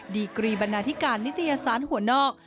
ดีกรีบบรรณาธิการนิตยสารหัวนอก